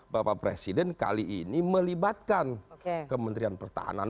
bapak presiden kali ini melibatkan kementerian pertahanan